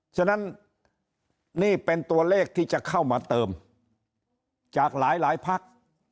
ฉะนั้นนี่เป็นตัวเลขที่จะเข้ามาเติมจากหลายพัก